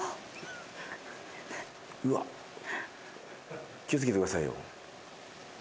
うわっ気を付けてくださいよ。